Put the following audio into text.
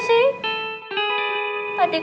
tadi kan aku udah belain pok